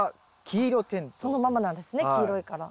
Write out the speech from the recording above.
そのままなんですね黄色いから。